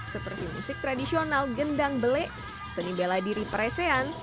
seperti musik tradisional gendang belek seni bela diri peresean